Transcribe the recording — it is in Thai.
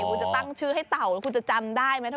คุณจะตั้งชื่อให้เต่าแล้วคุณจะจำได้ไหม